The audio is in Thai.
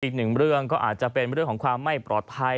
อีกหนึ่งเรื่องก็อาจจะเป็นเรื่องของความไม่ปลอดภัย